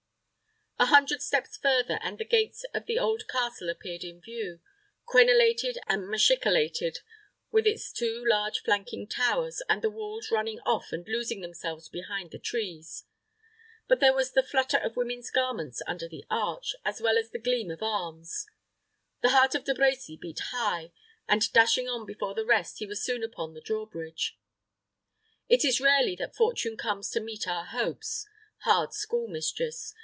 A hundred steps further, and the gates of the old castle appeared in view, crenelated and machicolated, with its two large flanking towers, and the walls running off and losing themselves behind the trees. But there was the flutter of women's garments under the arch, as well as the gleam of arms. The heart of De Brecy beat high, and, dashing on before the rest, he was soon upon the draw bridge. It is rarely that Fortune comes to meet our hopes. Hard school mistress!